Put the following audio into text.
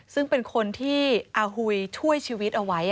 ซึ่งเป็นคนที่อาหุยช่วยชีวิตเอาไว้